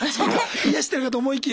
癒やしてるかと思いきや。